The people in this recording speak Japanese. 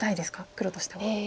黒としては。